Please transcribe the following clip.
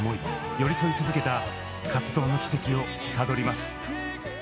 寄り添い続けた活動の軌跡をたどります。